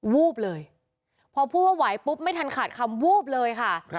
วูบเลยพอพูดว่าไหวปุ๊บไม่ทันขาดคำวูบเลยค่ะ